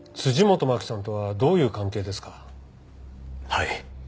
はい。